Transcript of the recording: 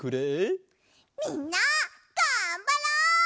みんながんばろう！